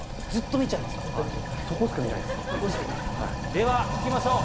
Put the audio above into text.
では聞きましょう！